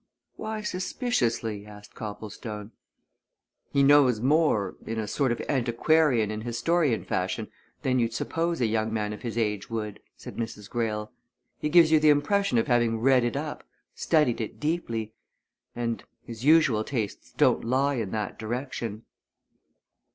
"Why suspiciously?" asked Cobblestone. "He knows more in a sort of antiquarian and historian fashion than you'd suppose a young man of his age would," said Mrs. Greyle. "He gives you the impression of having read it up studied it deeply. And his usual tastes don't lie in that direction."